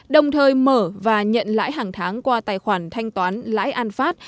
đồng thời mở và nhận lãi hàng tháng qua tài khoản thanh toán lãi an phát